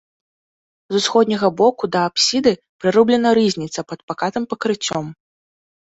З усходняга боку да апсіды прырублена рызніца пад пакатым пакрыццём.